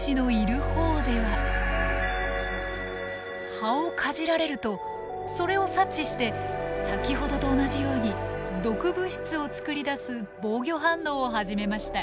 葉をかじられるとそれを察知して先ほどと同じように毒物質を作り出す防御反応を始めました。